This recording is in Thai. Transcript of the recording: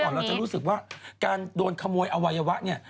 หนึ่งกลางเราจะรู้สึกว่าการโดนขโมยอวัยวะเนี่ย